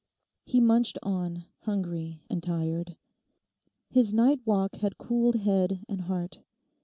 He munched on, hungry and tired. His night walk had cooled head and heart.